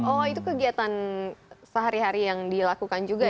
oh itu kegiatan sehari hari yang dilakukan juga ya